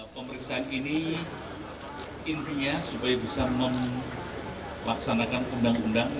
pemeriksaan ini intinya supaya bisa melaksanakan undang undang